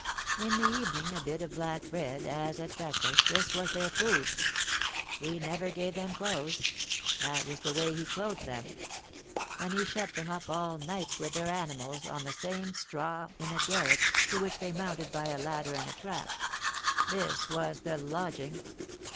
In the evening a bit of black bread, as at breakfast, this was their food. He never gave them clothes, that was the way he clothed them; and he shut them up at night with their animals, on the same straw in a garret, to which they mounted by a ladder and a trap, this was the lodging.